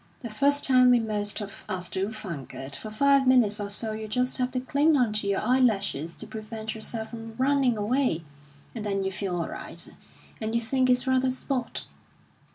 'The first time we most of us do funk it. For five minutes or so you just have to cling on to your eyelashes to prevent yourself from running away, and then you feel all right, and you think it's rather sport.'